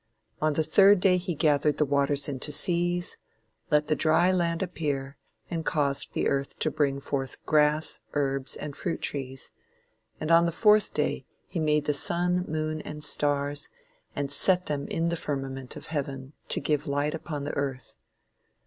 On the third day he gathered the waters into seas, let the dry land appear and caused the earth to bring forth grass, herbs and fruit trees, and on the fourth day he made the sun, moon and stars and set them in the firmament of heaven to give light upon the earth.